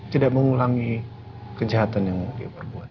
tidak mengulangi kejahatan yang mau dia perbuat